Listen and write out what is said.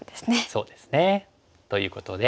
そうですね。ということで。